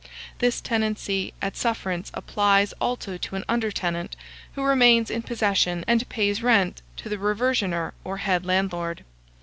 This tenancy at sufferance applies also to an under tenant, who remains in possession and pays rent to the reversioner or head landlord.